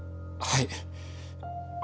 はい。